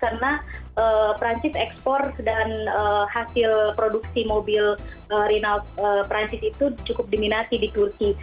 karena perancis ekspor dan hasil produksi mobil rinald perancis itu cukup diminasi di turki